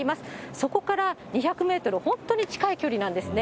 そこから２００メートル、本当に近い距離なんですね。